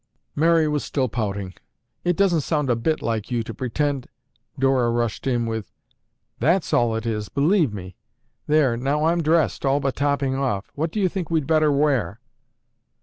Mary was still pouting. "It doesn't sound a bit like you to pretend—" Dora rushed in with, "That's all it is, believe me! There, now I'm dressed, all but topping off. What do you think we'd better wear?"